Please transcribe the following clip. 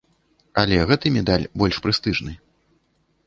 Але гэты медаль больш прэстыжны.